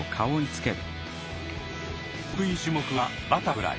得意種目はバタフライ。